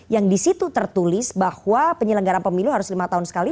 yang di situ tertulis bahwa penyelenggaran pemilu harus lima tahun sekali